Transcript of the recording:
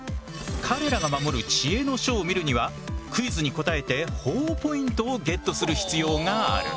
彼らが守る知恵の書を見るにはクイズに答えてほぉポイントをゲットする必要がある。